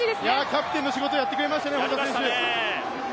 キャプテンの仕事やってくれましたね、本多選手。